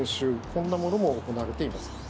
こんなものも行われています。